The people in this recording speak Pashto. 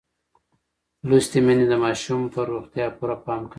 لوستې میندې د ماشوم پر روغتیا پوره پام کوي.